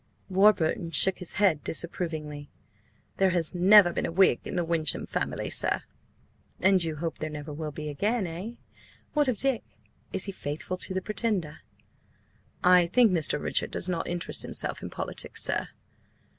Warburton shook his head disapprovingly. "There has never been a Whig in the Wyncham family, sir." "And you hope there never will be again, eh? What of Dick? Is he faithful to the Pretender?" "I think Mr. Richard does not interest himself in politics, sir."